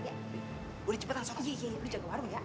boleh cepetan soko iya iya iya boleh jaga warung ya